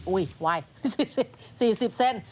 อุ๊ยไว๔๐เซนต์